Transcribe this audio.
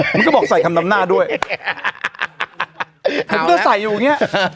ผมก็บอกใส่คำนำหน้าด้วยผมก็ใส่อยู่อย่างเงี้ย